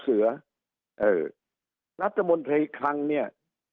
สุดท้ายก็ต้านไม่อยู่